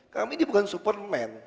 kami ini bukan superman